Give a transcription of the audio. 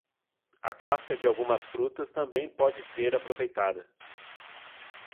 A casca de algumas frutas também pode ser aproveitada.